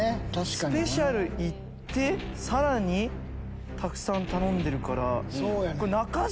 スペシャルメニュー行ってさらにたくさん頼んでるから。